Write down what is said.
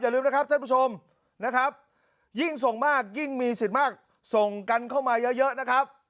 ลืมนะครับท่านผู้ชมนะครับยิ่งส่งมากยิ่งมีสิทธิ์มากส่งกันเข้ามาเยอะนะครับ